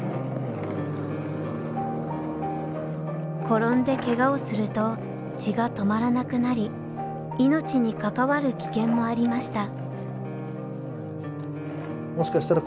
転んでけがをすると血が止まらなくなり命に関わる危険もありました。